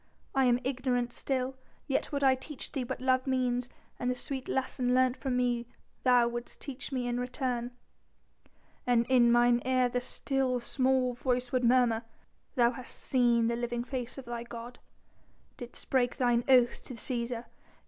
I am ignorant still, yet would I teach thee what love means and the sweet lesson learnt from me thou wouldst teach me in return." "And in mine ear the still, small voice would murmur: 'Thou hast seen the living face of thy God, didst break thine oath to Cæsar!